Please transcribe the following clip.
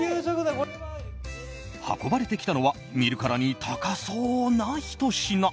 運ばれてきたのは見るからに高そうなひと品。